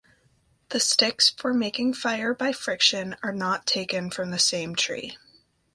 The sticks for making fire by friction are not taken from the same tree.